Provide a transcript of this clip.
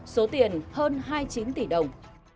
số tiền hơn hai mươi chín tỷ đồng